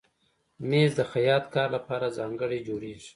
مېز د خیاط کار لپاره ځانګړی جوړېږي.